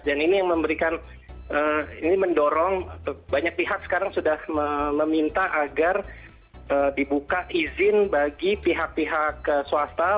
dan ini yang memberikan ini mendorong banyak pihak sekarang sudah meminta agar dibuka izin bagi pihak pihak swasta